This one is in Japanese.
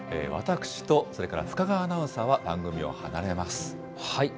私とそれから深川アナウンサーは番組を離れます。